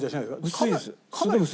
薄いです。